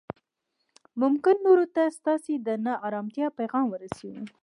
ممکن نورو ته ستاسې د نا ارامتیا پیغام ورسوي